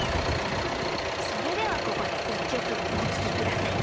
それではここで１きょくおききください。